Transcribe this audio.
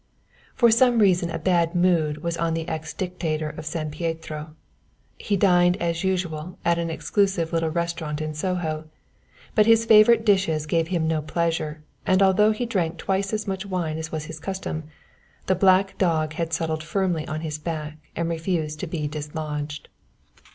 For some reason a bad mood was upon the ex dictator of San Pietro. He dined as usual at an exclusive little restaurant in Soho, but his favourite dishes gave him no pleasure, and although he drank twice as much wine as was his custom, the black dog had settled firmly on his back and refused to be dislodged.